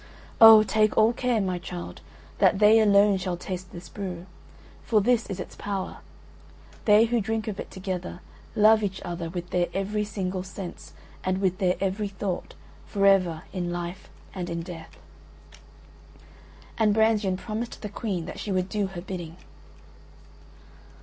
Oh! Take all care, my child, that they alone shall taste this brew. For this is its power: they who drink of it together love each other with their every single sense and with their every thought, forever, in life and in death." And Brangien promised the Queen that she would do her bidding.